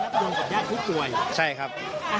อาหารการกินที่วันใหม่เป็นไงครับ